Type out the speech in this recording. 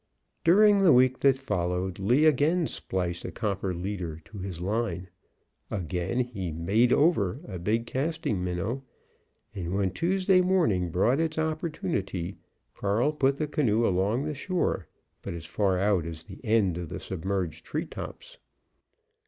During the week that followed, Lee again spliced a copper leader to his line. Again he "made over" a big casting minnow, and when Tuesday morning brought its opportunity, Carl put the canoe along the shore, but as far out as the end of the submerged treetops.